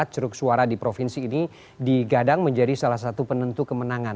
ceruk suara di provinsi ini digadang menjadi salah satu penentu kemenangan